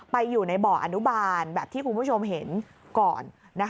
อยู่ในบ่ออนุบาลแบบที่คุณผู้ชมเห็นก่อน